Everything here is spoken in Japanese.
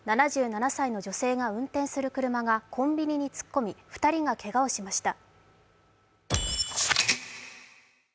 ７７歳の女性が運転する車がコンビニに突っ込み、２人がけがをしました。